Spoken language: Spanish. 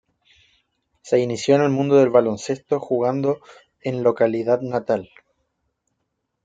Se inició en el mundo del baloncesto jugando en localidad natal.